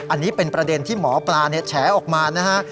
อันนี้เป็นประเด็นที่หมอปลาแฉออกมานะฮะ